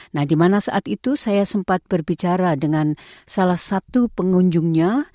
nah dimana saat itu saya sempat berbicara dengan salah satu pengunjungnya